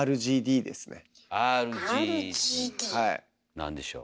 何でしょう？